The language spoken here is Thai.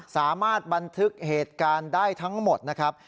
สามารถบันทึกเหตุการณ์ได้ทั้งหมดนะครับ